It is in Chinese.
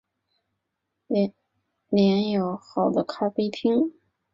约旦政府还容许安曼开设了几个对同性恋友好的咖啡厅。